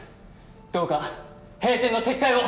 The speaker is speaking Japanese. どうか閉店の撤回を！